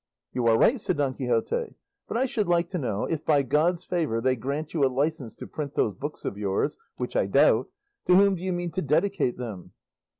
"You are right," said Don Quixote; "but I should like to know, if by God's favour they grant you a licence to print those books of yours which I doubt to whom do you mean to dedicate them?"